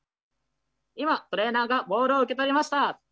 今トレーナーがボールを受け取りました。